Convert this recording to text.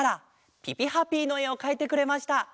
「ぴぴハピー」のえをかいてくれました。